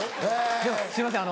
すいません